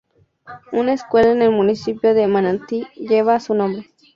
Una escuela en el municipio de Manatí lleva su nombre.